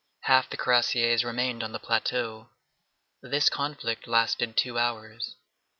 Half the cuirassiers remained on the plateau. This conflict lasted two hours.